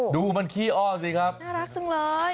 ดูมันขี้อ้อสิครับน่ารักจังเลย